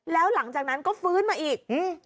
แล้วหลังจากนั้นก็ฟื้นมาอีก